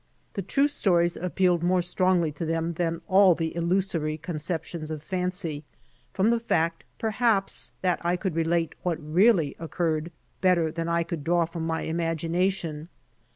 The true stories appealed more strongly to them than all the illusory conceptions of fancy, from the fact, perhaps, that I could relate what really had occurred better than I could draw from my imagina tion.